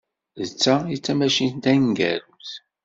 D ta ay d tamacint taneggarut.